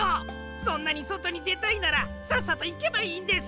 そんなにそとにでたいならさっさといけばいいんです。